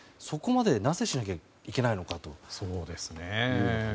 そこまでなぜ、しなきゃいけないのかという。